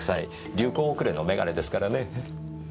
流行遅れの眼鏡ですからね。